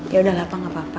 yaudah lapa gak apa apa